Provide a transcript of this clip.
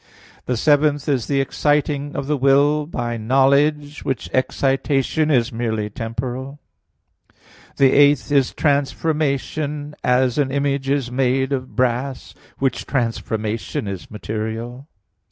The seventh is the exciting of the will by knowledge, which excitation is merely temporal. The eighth is transformation, as an image is made of brass; which transformation is material.